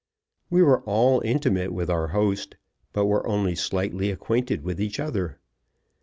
We were all intimate with our host, but were only slightly acquainted with each other.